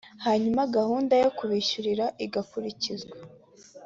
hanyuma gahunda yo kubishyurira igakurikizwa